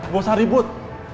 gak usah ribut